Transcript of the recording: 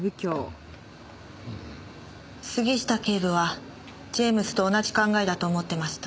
杉下警部はジェームズと同じ考えだと思ってました。